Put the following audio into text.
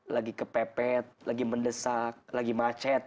lagi kepepet lagi mendesak lagi macet